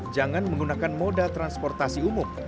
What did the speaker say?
jangan menggunakan moda transportasi umum